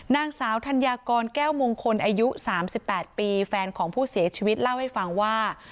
นางสาวธัญญากรแก้วมงคลอายุ๓๘ปีแฟนของผู้เสียชีวิตเล่าให้ฟังว่า